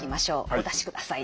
お出しください。